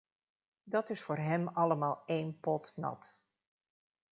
Dat is voor hem allemaal één pot nat.